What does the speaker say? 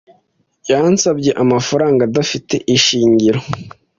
Yansabye amafaranga adafite ishingiro.